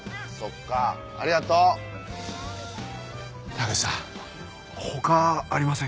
田口さん他ありませんか？